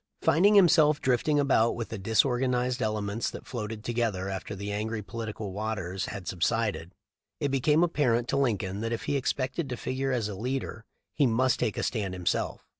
Finding himself drifting about with the disorgan ized elements that floated together after the angry politicial waters had subsided, it became apparent to Lincoln that if he expected to figure as a leader he must take a stand himself.